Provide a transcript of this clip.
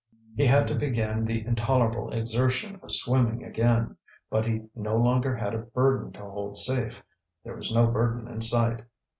He had to begin the intolerable exertion of swimming again, but he no longer had a burden to hold safe; there was no burden in sight.